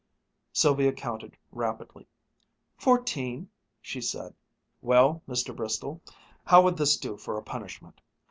Sylvia counted rapidly. "Fourteen," she said. "Well, Mr. Bristol, how would this do for a punishment?